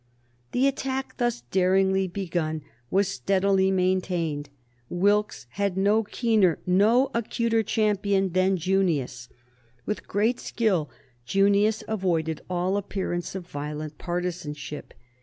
The attack thus daringly begun was steadily maintained. Wilkes had no keener, no acuter champion than Junius. With great skill Junius avoided all appearance of violent partisanship.